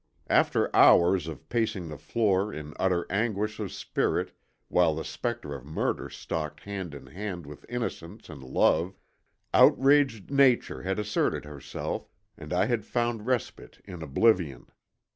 After hours of pacing the floor in utter anguish of spirit while the specter of murder stalked hand in hand with innocence and love, outraged nature had asserted herself and I had found respite in oblivion.